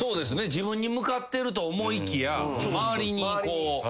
自分に向かってると思いきや周りにこう。